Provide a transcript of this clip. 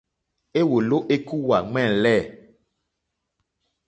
Éwòló ékúwà ɱwɛ̂lɛ̂.